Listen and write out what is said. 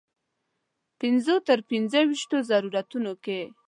پنځو تر پنځه ویشتو ضرورتونو کې.